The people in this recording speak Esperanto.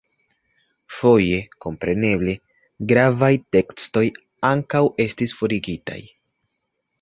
Foje, kompreneble, gravaj tekstoj ankaŭ estis forigitaj.